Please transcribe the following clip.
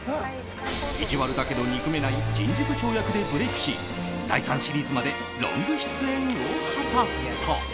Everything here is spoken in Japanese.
意地悪だけど憎めない人事部長役でブレークし第３シリーズまでロング出演を果たすと。